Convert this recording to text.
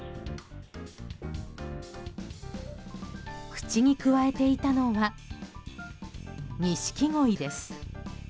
口にくわえていたのはニシキゴイです。